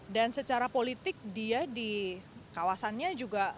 dan secara politik dia di kawasannya juga